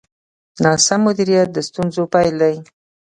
ناسم مدیریت د ستونزو پیل دی.